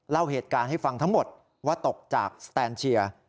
เล่าเหตุการณ์ให้ฟังทั้งหมดว่าตกจากสแตนเชียร์